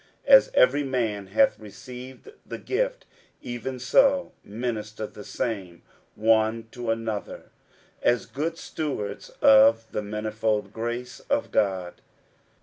60:004:010 As every man hath received the gift, even so minister the same one to another, as good stewards of the manifold grace of God.